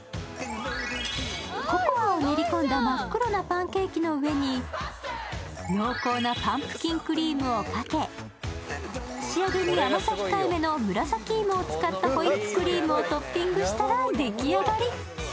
ココアを練り込んだ真っ黒なパンケーキの上に濃厚なパンプキンクリームをかけ、仕上げに甘さ控えめの紫芋を使ったホイップクリームをトッピングしたら出来上がり。